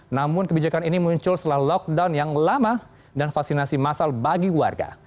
namun kebijakan ini muncul setelah lockdown yang lama dan vaksinasi massal bagi warga